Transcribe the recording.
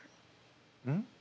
うん？